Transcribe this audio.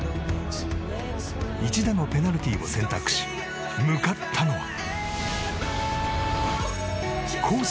１打のペナルティーを選択し向かったのはコース